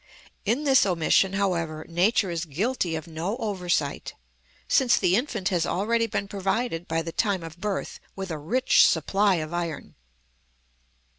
In this omission, however, nature is guilty of no oversight, since the infant has already been provided by the time of birth with a rich supply of iron.